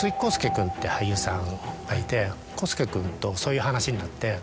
君って俳優さんがいて浩介君とそういう話になって。